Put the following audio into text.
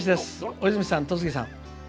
大泉さん戸次さん